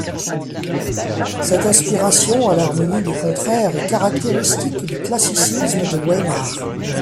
Cette aspiration à l'harmonie des contraires est caractéristique du classicisme de Weimar.